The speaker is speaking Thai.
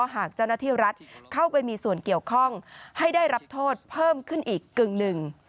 หากเจ้าหน้าที่รัฐเข้าไปมีส่วนเกี่ยวข้องให้ได้รับโทษเพิ่มขึ้นอีกกึ่งหนึ่ง